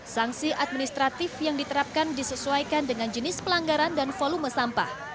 sanksi administratif yang diterapkan disesuaikan dengan jenis pelanggaran dan volume sampah